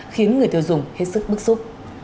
khiến người tiêu dùng hết sức bức xúc